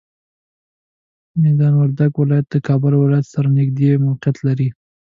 میدان وردګ ولایت د کابل ولایت سره نږدې موقعیت لري.